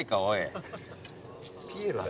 ピエロだよ。